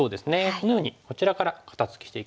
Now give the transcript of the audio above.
このようにこちらから肩ツキしていきます。